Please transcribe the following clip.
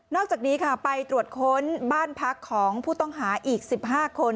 อกจากนี้ค่ะไปตรวจค้นบ้านพักของผู้ต้องหาอีก๑๕คน